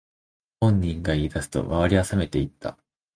本人が言い出すと周りはさめていった